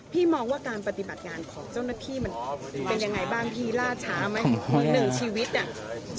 มองว่าการปฏิบัติงานของเจ้าหน้าที่มันเป็นยังไงบ้างพี่ล่าช้าไหมหนึ่งชีวิตเนี่ย